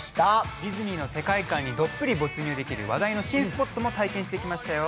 ディズニーの世界観にどっぷり没入できる話題のスポットも体験してきました。